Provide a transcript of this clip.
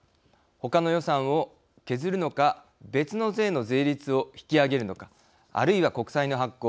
ほかの予算を削るのか別の税の税率を引き上げるのかあるいは国債の発行